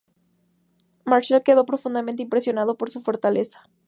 Marshall quedó profundamente impresionado por su fortaleza.